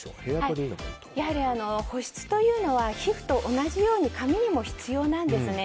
保湿というのは皮膚と同じように髪にも必要なんですね。